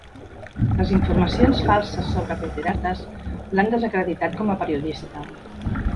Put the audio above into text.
Les informacions falses sobre pederastes l'han desacreditat com a periodista.